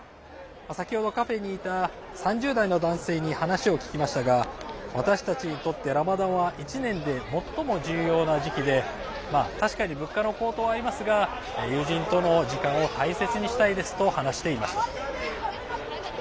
先ほどカフェにいた３０代の男性に話を聞きましたが私たちにとって、ラマダンは１年で最も重要な時期で確かに物価の高騰はありますが友人との時間を大切にしたいですと話していました。